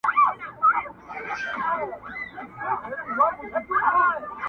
o د ژوند دوهم جنم دې حد ته رسولی يمه.